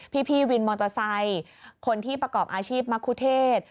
พี่วินมอเตอร์ไซค์คนที่ประกอบอาชีพมะคุเทศ